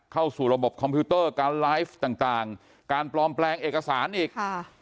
เข้าสู่ระบบคอมพิวเตอร์การไลฟ์ต่างการปลอมแปลงเอกสารอีกค่ะ